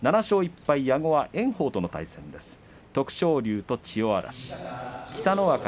７勝１敗の矢後は炎鵬との対戦です。